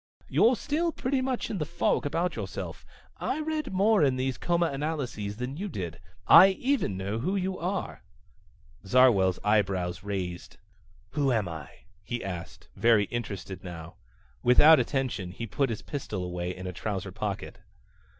"You're still pretty much in the fog about yourself. I read more in those comanalyses than you did. I even know who you are!" Zarwell's eyebrows raised. "Who am I?" he asked, very interested now. Without attention he put his pistol away in a trouser pocket.